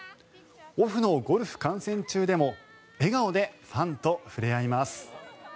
オフのゴルフ観戦中でも笑顔でファンと触れ合います。